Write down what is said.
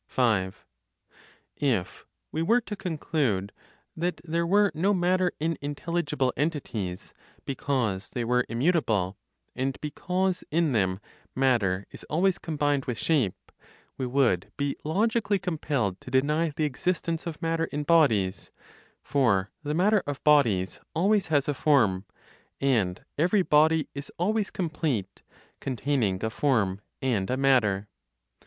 5. If, we were to conclude that there were no matter in intelligible entities, because they were immutable, and because, in them, matter is always combined with (shape), we would be logically compelled to deny the existence of matter in bodies; for the matter of bodies always has a form, and every body is always complete (containing a form and a matter).